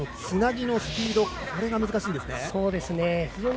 つなぎのスピードが難しいですね